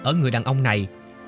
ở người đàn ông này